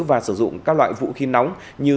và sử dụng các loại vũ khí nóng như